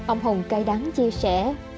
ông hùng cay đắng chia sẻ